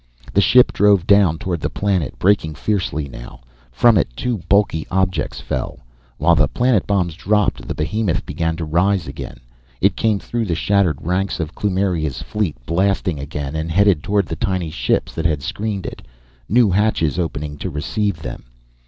The ship drove down toward the planet, braking fiercely now. From it, two bulky objects fell. While the planet bombs dropped, the behemoth began to rise again. It came through the shattered ranks of Kloomiria's fleet, blasting again, and headed toward the tiny ships that had screened it, new hatches opening to receive them.